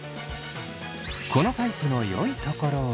このタイプのよいところは。